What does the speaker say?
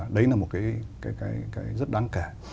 đấy là một cái rất đáng kể